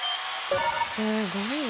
すごいな。